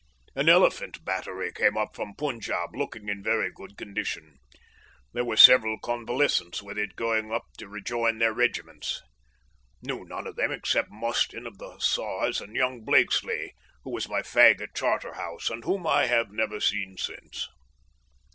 An elephant battery came up from the Punjab, looking in very good condition. There were several convalescents with it going up to rejoin their regiments. Knew none of them except Mostyn of the Hussars and young Blakesley, who was my fag at Charterhouse, and whom I have never seen since.